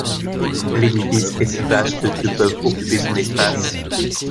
L'édifice est si vaste que peuvent occuper son espace.